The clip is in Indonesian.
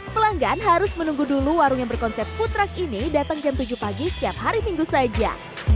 pelanggan harus menunggu dulu warung yang berkonsep food truck ini datang jam tujuh pagi setiap hari minggu saja